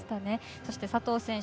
そして佐藤選手